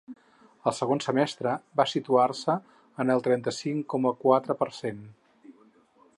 El segon semestre va situar-se en el trenta-cinc coma quatre per cent.